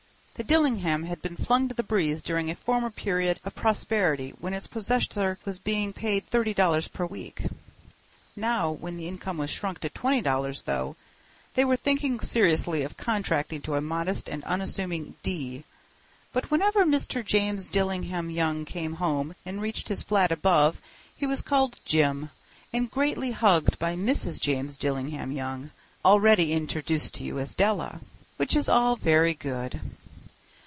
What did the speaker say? The "Dillingham" had been flung to the breeze during a former period of prosperity when its possessor was being paid $30 per week. Now, when the income was shrunk to $20, though, they were thinking seriously of contracting to a modest and unassuming D. But whenever Mr. James Dillingham Young came home and reached his flat above he was called "Jim" and greatly hugged by Mrs. James Dillingham Young, already introduced to you as Della. Which is all very good.